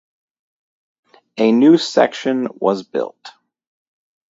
A new section was built.